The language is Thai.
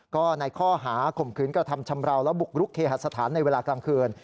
ก็ในข้อหาข่มขืนกระทำชำราวและบุกรุกเคหสถานในเวลากลางคืน